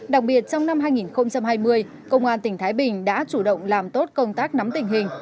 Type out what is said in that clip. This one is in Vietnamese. đặc biệt trong năm hai nghìn hai mươi công an tỉnh thái bình đã chủ động làm tốt công tác nắm tình hình